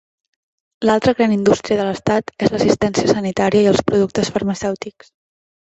L'altra gran indústria de l'estat és l'assistència sanitària i els productes farmacèutics.